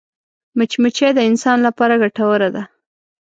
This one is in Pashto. مچمچۍ د انسان لپاره ګټوره ده